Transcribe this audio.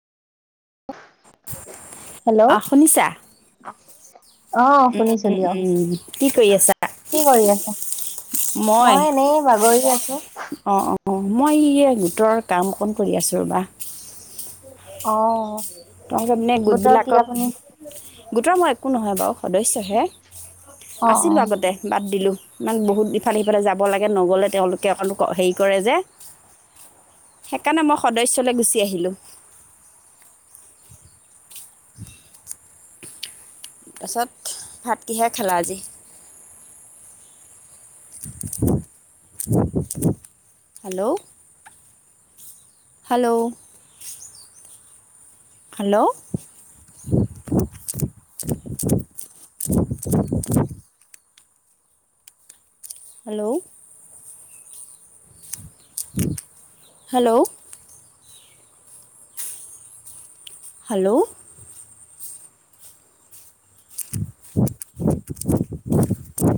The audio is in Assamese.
হেল্ল'। অ অ উম, শুনিছো উম, দিয়ক উম কি কৰি আছা? কি কৰি আছা? মই আছো অ, অ। অ, মই এই গোটৰ কাম অকণ কৰি আছোঁ ৰ'বা। অ,। তাৰমানে গোটৰ কি গোটবিলাকক আপুনি গোটৰ মই একো নহয় বাৰু সদস্যহে। অ আছিলোঁ অ আগতে। বাদ দিলোঁ ইমান বহুত ইফালে সিফালে যাব লাগে নগ'লে তেওঁলোকে অকণ হেৰি কৰে যে। সেইকাৰণে মই সদস্যলৈ গুচি আহিলোঁ। তাৰপাছত ভাত কিহেৰে খালা আজি? Hello. Hello. Hello. Hello. Hello. Hello.